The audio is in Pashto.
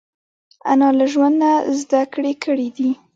انا له ژوند نه زده کړې کړې دي